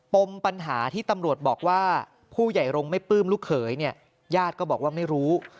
ปมปัญหาที่ตำรวจบอกว่าผู้ใหญ่รงค์ไม่ปลื้มลูกเขยเนี่ยญาติก็บอกว่าไม่รู้